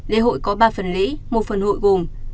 lễ hội có ba phần lễ một phần hội gồm